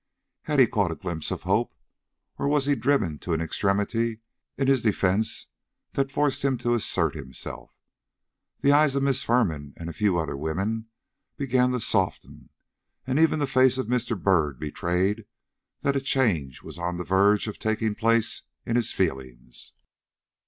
Had he caught a glimpse of hope, or was he driven to an extremity in his defence that forced him to assert himself? The eyes of Miss Firman and of a few other women began to soften, and even the face of Mr. Byrd betrayed that a change was on the verge of taking place in his feelings.